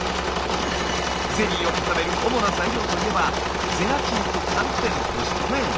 ゼリーを固める主な材料といえばゼラチンと寒天でしたよね。